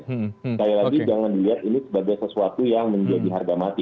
sekali lagi jangan dilihat ini sebagai sesuatu yang menjadi harga mati